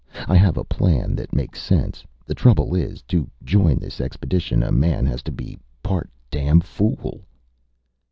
I have a plan that makes sense. The trouble is, to join this expedition, a man has to be part damn fool."